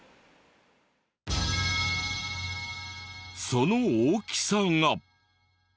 その大きさが。